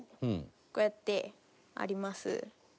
こうやってあります。